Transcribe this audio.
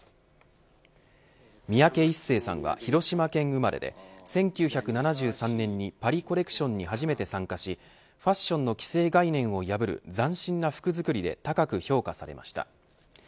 三宅一生さんは広島県生まれで１９７３年にパリ・コレクションに初めて参加しファッションの既成概念を破る斬新な服作りで高く評価されました。